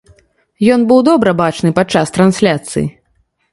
Ён быў добра бачны падчас трансляцыі.